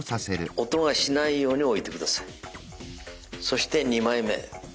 そして２枚目。